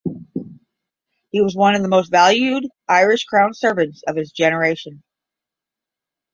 He was one of the most valued Irish Crown servants of his generation.